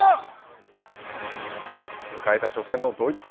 迎えた初戦のドイツ戦。